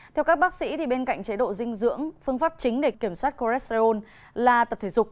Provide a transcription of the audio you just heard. theo các bác sĩ bên cạnh chế độ dinh dưỡng phương pháp chính để kiểm soát cholesterol là tập thể dục